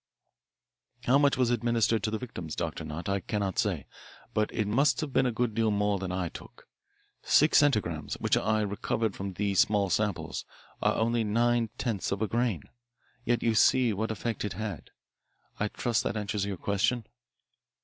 "How much was administered to the victims, Doctor Nott, I cannot say, but it must have been a good deal more than I took. Six centigrams, which I recovered from these small samples, are only nine tenths of a grain. Yet you see what effect it had. I trust that answers your question."